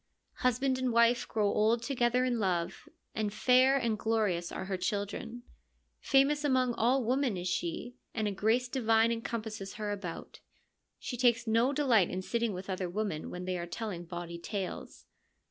Husband and wife grow old together in love, and fair and glorious are her children. Famous among all women is she, and a grace divine encompasses her THE LYRIC POETS 37 about. She takes no delight in sitting with other women when they are telling bawdy tales.